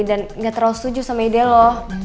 dan gak terlalu setuju sama ide lo